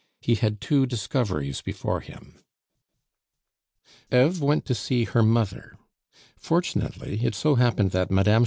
He had two discoveries before him. Eve went to see her mother. Fortunately, it so happened that Mme.